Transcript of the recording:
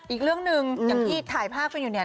อีกเรื่องหนึ่งอย่างที่ถ่ายภาพกันอยู่เนี่ย